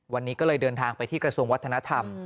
วันนี้ก็เลยเดินทางไปที่กระทรวงวัฒนธรรม